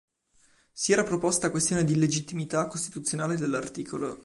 Si era proposta questione d'illegittimità costituzionale dell'art.